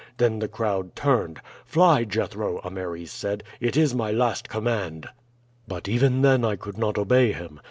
Then the crowd turned. 'Fly, Jethro,' Ameres said. 'It is my last command.' "But even then I could not obey him.